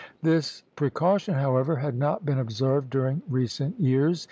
This precaution, however, had not been observed during recent years.